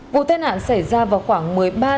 vụ tai nạn xảy ra vào khoảng ngày hôm nay